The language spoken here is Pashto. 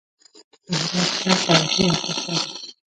د هرات ښار تاریخي ارزښت لري.